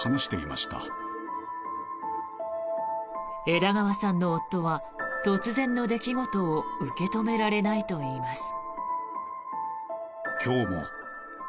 枝川さんの夫は突然の出来事を受け止められないといいます。